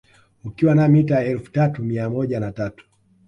Ukiwa na mita elfu tatu mia moja na tatu